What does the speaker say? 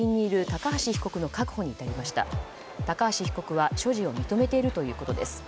高橋被告は所持を認めているということです。